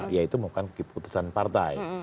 yaitu bukan keputusan partai